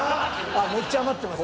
あっめっちゃ余ってます。